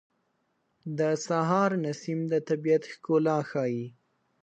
د سهار نسیم د طبیعت ښکلا ښیي.